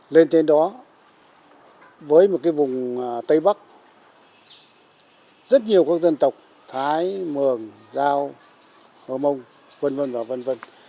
lên trên đó với một cái vùng tây bắc rất nhiều các dân tộc thái mường giao hồ mông vân vân và vân vân